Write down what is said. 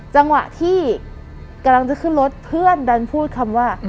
จังหวะที่กำลังจะขึ้นรถเพื่อนดันพูดคำว่า